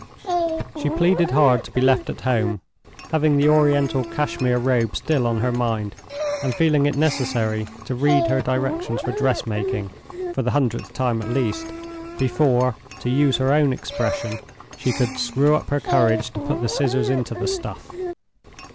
She pleaded hard to be left at home; having the Oriental Cashmere Robe still on her mind, and feeling it necessary to read her directions for dressmaking, for the hundredth time at least, before (to use her own expression) she could "screw up her courage to put the scissors into the stuff."